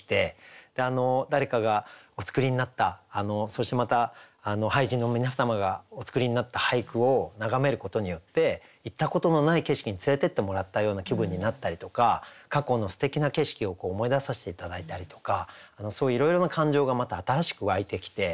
誰かがお作りになったそしてまた俳人の皆様がお作りになった俳句を眺めることによって行ったことのない景色に連れてってもらったような気分になったりとか過去のすてきな景色を思い出させて頂いたりとかそういういろいろな感情がまた新しく湧いてきて。